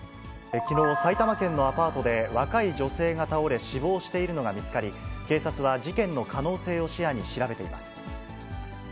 きのう、埼玉県のアパートで、若い女性が倒れ、死亡しているのが見つかり、警察は事件の可能性を視野に調べています。